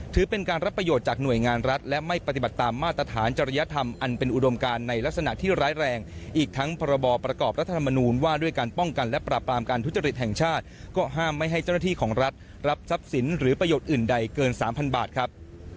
ถือเป็นการรับประโยชน์จากหน่วยงานรัฐและไม่ปฏิบัติตามมาตรฐานจริยธรรมอันเป็นอุดมการในลักษณะที่ร้ายแรงอีกทั้งพรบประกอบรัฐธรรมนูญว่าด้วยการป้องกันและปราบปรามการทุจริตแห่งชาติก็ห้ามไม่ให้เจ้าหน้าที่ของรัฐรับทรัพย์สินหรือประโยชน์อื่นใดเกินสามพันบาทครับ